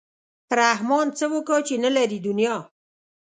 رحمان څه وکا چې نه لري دنیا.